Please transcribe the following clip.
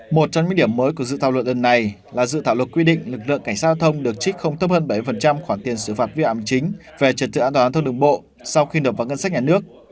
một trong những điểm mới của dự thảo luật đơn này là dự thảo luật quy định lực lượng cảnh sát giao thông được trích không thấp hơn bảy khoản tiền xử phạt viên ảm chính về trật tự an toàn giao thông đường bộ sau khi đập vào ngân sách nhà nước